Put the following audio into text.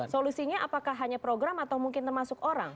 solusinya apakah hanya program atau mungkin termasuk orang